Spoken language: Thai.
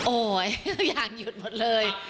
โอ๊ยอยากหยุดหมดเลย